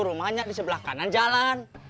rumahnya disebelah kanan jalan